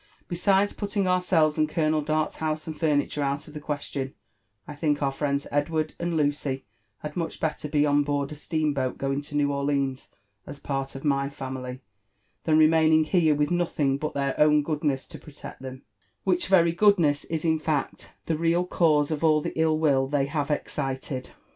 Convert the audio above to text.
Besides, putting ourselves and Colonel Dart's house and furniture out of the question, I think our friends Edward and Lucy had much belter be on board a steam boat going to New Orleans as part of my family, than remaining here with nothing but their own goodness to protect them — which very goodness is in fact the real cause of all the ill will they have excited."